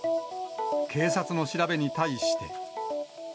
警察の調べに対して。